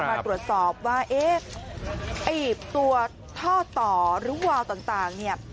มาตรวจสอบว่าเอ๊ะไอ้ตัวท่อต่อหรือวาวต่างเนี่ย